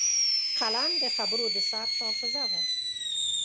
قلم د خبرو د ثبت حافظه ده